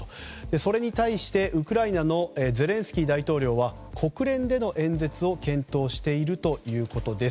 それに対してウクライナのゼレンスキー大統領は国連での演説を検討しているということです。